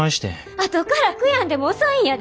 あとから悔やんでも遅いんやで。